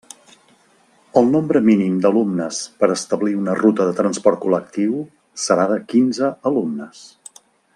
El nombre mínim d'alumnes per a establir una ruta de transport col·lectiu serà de quinze alumnes.